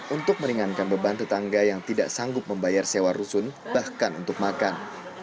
untuk meringankan beban tetangga yang tidak sanggup membayar sewa rusun bahkan untuk makan